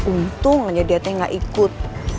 untung aja dia teh gak ikut